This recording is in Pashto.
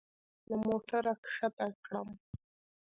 له موټره يې کښته کړم.